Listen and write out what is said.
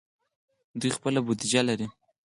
دوی خپله بودیجه لري.